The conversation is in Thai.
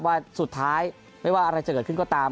ว่าสุดท้ายไม่ว่าอะไรจะเกิดขึ้นก็ตาม